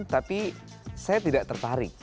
tapi saya tidak tertarik